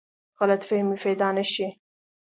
غلط فهمۍ پیدا نه شي.